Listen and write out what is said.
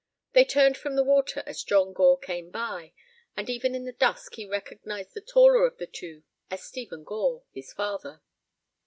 They turned from the water as John Gore came by, and even in the dusk he recognized the taller of the two as Stephen Gore, his father.